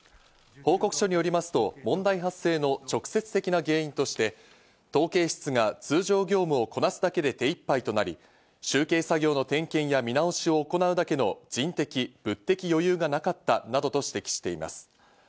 報告書によりますと問題発生の直接的な原因として統計室が通常業務をこなすだけで手一杯となり、集計作業の点検や見直しを行うだけの人的・物的余裕がなかったなどと指摘しています。